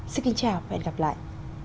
xin kính chào và hẹn gặp lại